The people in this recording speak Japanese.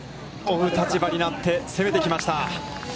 追う立場になって攻めてました。